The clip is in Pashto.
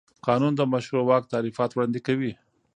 قانون د مشروع واک تعریف وړاندې کوي.